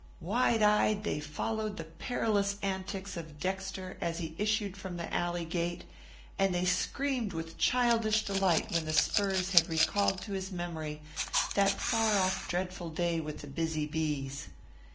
Wide eyed, they followed the perilous antics of Dexter as he issued from the alley gate, and they screamed with childish delight when the spurs had recalled to his memory that far off dreadful day with the busy bees.